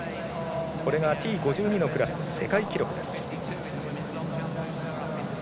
これがＴ５２のクラスの世界記録です。